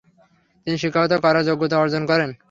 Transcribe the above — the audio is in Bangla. তিনি শিক্ষকতা করার যোগ্যতা অর্জন করেন।